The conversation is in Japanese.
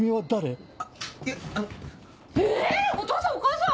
⁉お父さんお母さん！